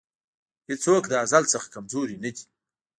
هېڅوک د ازل څخه کمزوری نه دی.